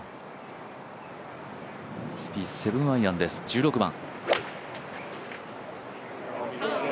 スピース、７アイアンです１６番。